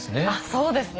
そうですね